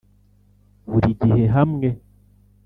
buri gihe hamwe.